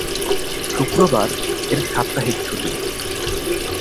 শুক্রবার এর সাপ্তাহিক ছুটি।